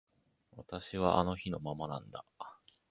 私はあの日のままなんだ